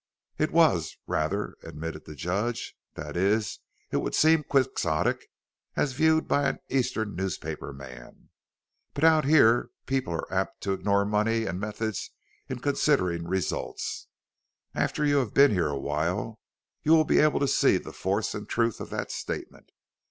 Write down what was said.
"It was, rather," admitted the judge; "that is, it would seem Quixotic as viewed by an Eastern newspaper man. But out here people are apt to ignore money and methods in considering results. After you have been here a while you will be able to see the force and truth of that statement.